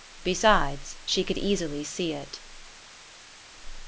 Besides she could easily see it.